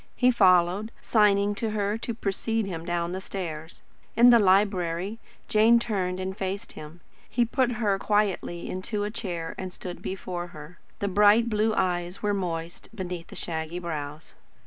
He followed, signing to her to precede him down the stairs. In the library, Jane turned and faced him. He put her quietly into a chair and stood before her. The bright blue eyes were moist, beneath the shaggy brows.